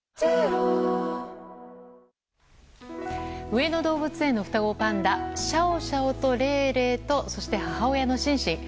上野動物園の双子パンダシャオシャオとレイレイとそして母親のシンシン。